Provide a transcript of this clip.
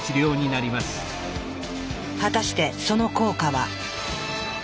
果たしてその効果は。